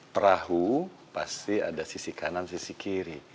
perahu pasti ada sisi kanan sisi kiri